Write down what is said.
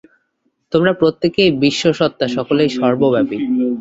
তোমরা প্রত্যেকেই বিশ্ব-সত্তা, সকলেই সর্বব্যাপী।